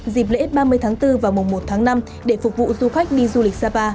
dịp lễ ba mươi tháng bốn và mùa một tháng năm để phục vụ du khách đi du lịch sapa